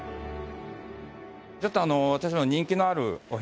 ちょっと私どもの人気のあるお部屋の一つを。